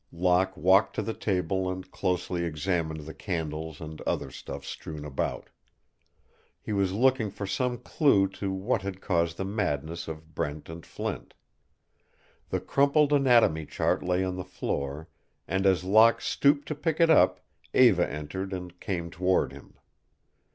Locke walked to the table and closely examined the candles and other stuff strewn about. He was looking for some clue to what had caused the madness of Brent and Flint. The crumpled anatomy chart lay on the floor, and as Locke stooped to pick it up Eva entered and came toward him.